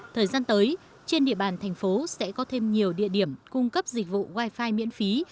thời gian tới trên địa bàn thành phố sẽ có thêm nhiều địa điểm cung cấp dịch vụ wifi miễn phí